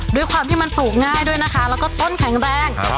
ด้วยความที่มันปลูกง่ายด้วยนะคะแล้วก็ต้นแข็งแรง